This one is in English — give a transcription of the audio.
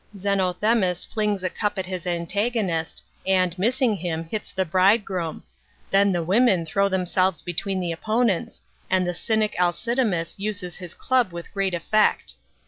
Zennthemis flings a cup at his antagonist, and, missing him, hits the bridegroom. Then the women throw them selves between the opponents, and the Cynic Alcidaruas uses his club with great effect.